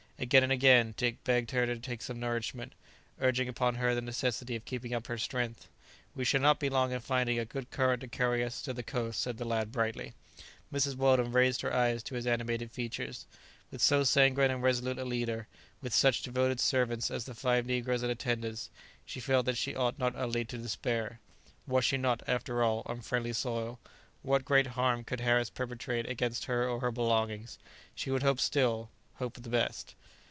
Again and again Dick begged her to take some nourishment, urging upon her the necessity of keeping up her strength. "We shall not be long in finding a good current to carry us to the coast," said the lad brightly. Mrs. Weldon raised her eyes to his animated features. With so sanguine and resolute a leader, with such devoted servants as the five negroes in attendance, she felt that she ought not utterly to despair. Was she not, after all, on friendly soil? what great harm could Harris perpetrate against her or her belongings? She would hope still, hope for the best.